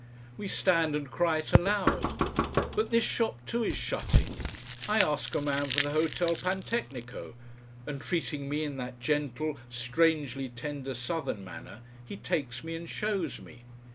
We stand and cry it aloud. But this shop too is shutting. I ask a man for the Hotel Pantechnico. And treating me in that gentle, strangely tender southern manner, he takes me and shows me.